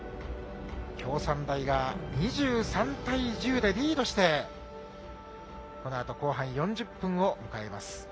京産大が２３対１０でリードしてこのあと後半４０分を迎えます。